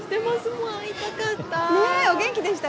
もう会いたかった。